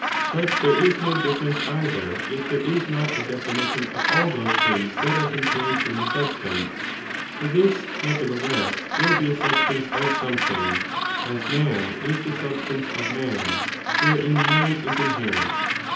But there is no difference either if there is not a definition of all those things that are contained in the substance ; for this^ nevertheless, will be a substance of something, as man is the substance of man, wherein man is inherent.